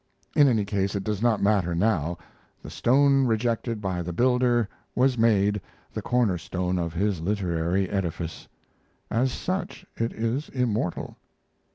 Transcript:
In any case, it does not matter now. The stone rejected by the builder was made the corner stone of his literary edifice. As such it is immortal.